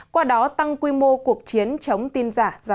qua đó tăng quy mô cuộc chiến chống tin giả